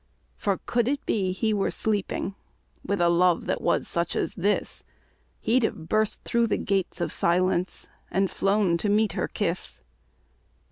"For could it be he were sleeping. With a love that was such as this He'd have burst through the gates of silence, And flown to meet her kiss."